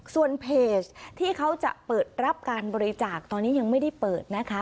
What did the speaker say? ส่วนเพจที่เขาจะเปิดรับการบริจาคตอนนี้ยังไม่ได้เปิดนะคะ